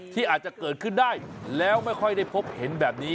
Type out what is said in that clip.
ที่อาจจะเกิดขึ้นได้แล้วไม่ค่อยได้พบเห็นแบบนี้